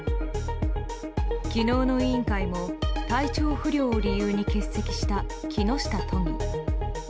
昨日の委員会も体調不良を理由に欠席した木下都議。